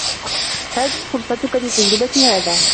هذه فرصتكِ لتجربة هذا.